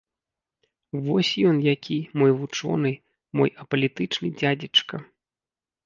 Вось ён які, мой вучоны, мой апалітычны дзядзечка!